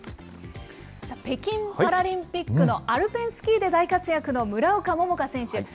北京パラリンピックのアルペンスキーで大活躍の村岡桃佳選手。